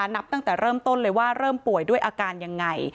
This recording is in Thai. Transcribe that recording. นับตั้งแต่เริ่มต้นเลยว่าเริ่มป่วยด้วยอาการยังไง